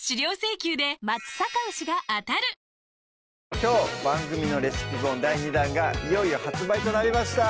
今日番組のレシピ本第２弾がいよいよ発売となりました